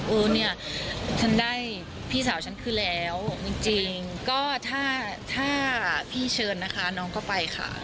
เออเนี่ยฉันได้พี่สาวฉันคืนแล้วจริงก็ถ้าพี่เชิญนะคะน้องก็ไปค่ะ